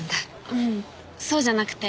ううんそうじゃなくて。